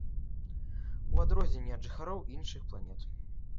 У адрозненні ад жыхароў іншых планет.